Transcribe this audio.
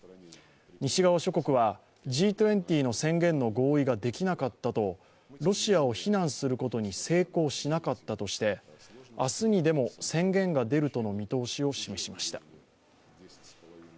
西側諸国はＧ２０の宣言の合意ができなかったとロシアを非難することに成功しなかったとして明日にでも宣言が出るとの見通しを示しました。